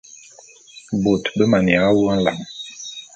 Bôt be maneya wu nlam.